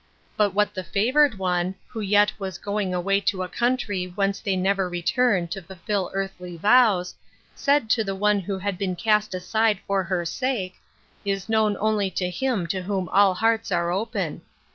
But what the favored one, who yet was going away to a country whence they never return to fulfill earthly vows, said to the one who had been cast aside for her sake, is known only to Him to whom all hearts are open.